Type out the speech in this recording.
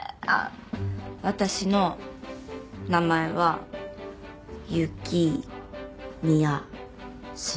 私の名前は雪宮鈴。